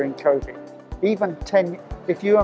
jika covid sembilan belas menyerang bahkan sepuluh tahun yang lalu